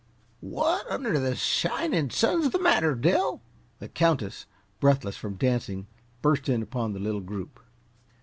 "What under the shinin' sun's the matter, Dell?" The Countess, breathless from dancing, burst in upon the little group.